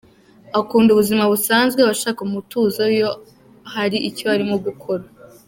Akunda ubuzima busanzwe , abashaka umutuzo iyo hari icyo arimo gukora.